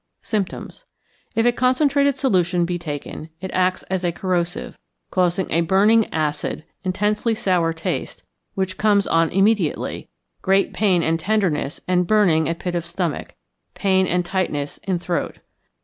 Symptoms. If a concentrated solution be taken, it acts as a corrosive, causing a burning acid, intensely sour taste, which comes on immediately, great pain and tenderness and burning at pit of stomach, pain and tightness in throat.